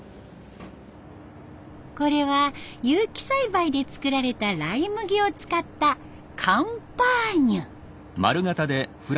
これは有機栽培で作られたライ麦を使ったカンパーニュ。